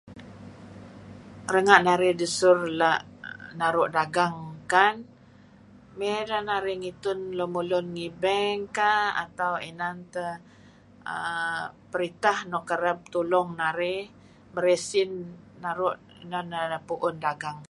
Renga' narih desur la' naru' dagang kan, mey neh narih ngitun lemulun ngi bank kah atau inan teh err peritah iih kereb tulung narih merey usin inan narih nepu'un dagang.